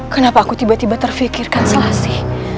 kenapa aku tiba tiba terfikirkan selasih